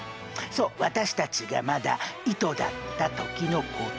そう私たちがまだ糸だった時のことを。